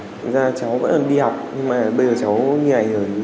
thật ra cháu vẫn đang đi học nhưng mà bây giờ cháu như này rồi